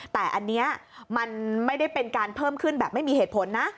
แต่อันนี้มันไม่ได้เป็นการเพิ่มขึ้นแบบไม่มีเหตุผลนะ